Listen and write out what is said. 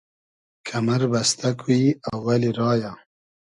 کئمئر بئستۂ کو ای اوئلی رایۂ